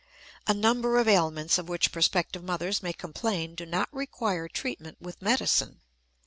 A number of ailments of which prospective mothers may complain do not require treatment with medicine.